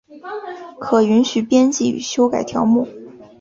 可允许编辑与修改条目。